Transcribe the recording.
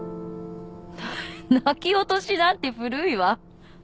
泣き落としなんて古いわ。